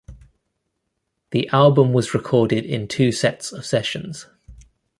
The album was recorded in two sets of sessions.